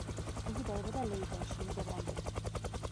იგი დაიბადა ლეიდენში, ნიდერლანდები.